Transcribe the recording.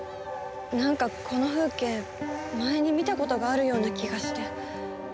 なんかこの風景前に見た事があるような気がして。